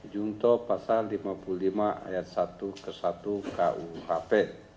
jungto pasal lima puluh lima ayat satu ke satu kuhp